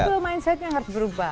betul mindsetnya harus berubah